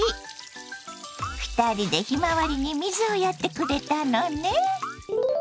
２人でひまわりに水をやってくれたのね。